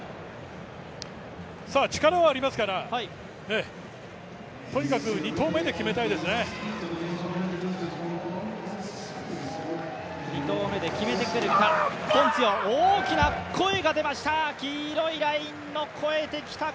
力はありますからとにかく２投目で決めたいですね。